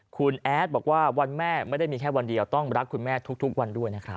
คุณแอดบอกว่าวันแม่ไม่ได้มีแค่วันเดียวต้องรักคุณแม่ทุกวันด้วยนะครับ